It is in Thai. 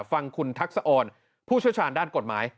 ฟังคุณทักษะออนผู้เชี่ยวชาญด้านกฎหมาย